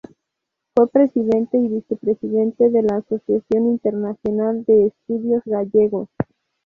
Fue presidente y vicepresidente de la Asociación Internacional de Estudios Gallegos.